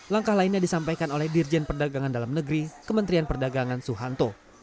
langkah lainnya disampaikan oleh dirjen perdagangan dalam negeri kementerian perdagangan suhanto